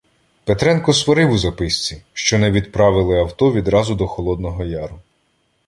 Петренко сварив у записці, що не відправили авто відразу до Холодного Яру.